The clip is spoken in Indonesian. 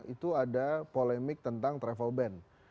itu ada polemik tentang travel ban